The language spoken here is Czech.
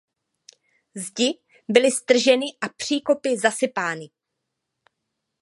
Zdi byly strženy a příkopy zasypány.